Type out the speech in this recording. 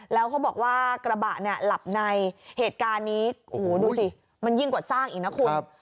แล้วเขาบอกว่ากระบะเนี่ยหลับในเหตุการณ์นี้โอ้โหดูสิมันยิ่งกว่าสร้างอีกนะคุณ